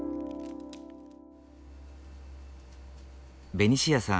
ベニシアさん